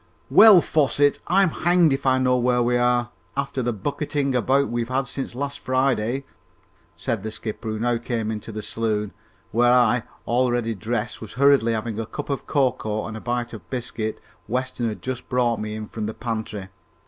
"Well, Fosset, I'm hanged if I know where we are, after the bucketting about we've had since last Friday!" said the skipper, who now came into the saloon, where I, already dressed, was hurriedly having a cup of cocoa and bite of biscuit Weston had just brought me in from the pantry.